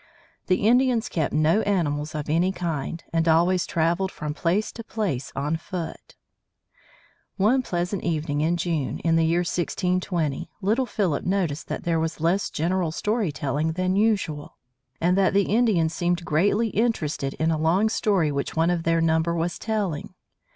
The Indians kept no animals of any kind, and always traveled from place to place on foot. One pleasant evening in June, in the year 1620, little Philip noticed that there was less general story telling than usual, and that the Indians seemed greatly interested in a long story which one of their number was telling.